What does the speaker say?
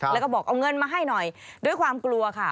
แล้วก็บอกเอาเงินมาให้หน่อยด้วยความกลัวค่ะ